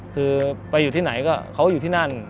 คือไปอยู่ที่ไหนก็เขาอยู่ที่นั่น